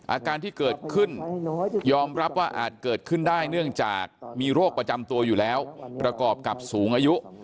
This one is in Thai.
อาการที่เกิดขึ้นยอมรับว่าอาจเกิดขึ้นได้เนื่องจากมีโรคประจำตัวอยู่แล้วประกอบกับสูงอายุ